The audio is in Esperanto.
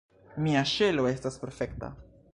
Mia ŝelo estas perfekta.